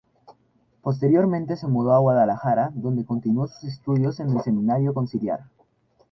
Posteriormente, se mudó a Guadalajara donde continuó sus estudios en el Seminario Conciliar.